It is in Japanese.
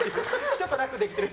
ちょっと楽できてる。